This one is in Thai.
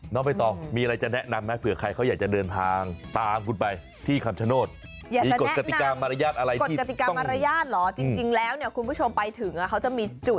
น้องเบตอมมีอะไรจะแนะนำไหม